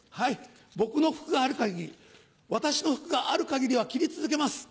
僕の福がある限り私の福がある限りは切り続けます。